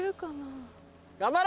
頑張れ！